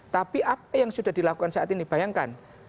tapi apa yang sudah dilakukan saat ini bayangkan